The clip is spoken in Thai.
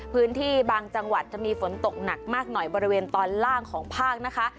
พื้นที่บางจังหวัดจะมีฝนตกหนักมากหน่อยบริเวณตอนล่างของภาคนะคะ